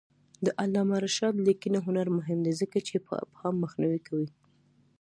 د علامه رشاد لیکنی هنر مهم دی ځکه چې ابهام مخنیوی کوي.